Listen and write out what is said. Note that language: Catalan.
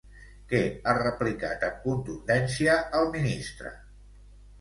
Què ha replicat amb contundència el ministre?